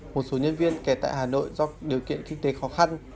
một số nhân viên kể tại hà nội do điều kiện kinh tế khó khăn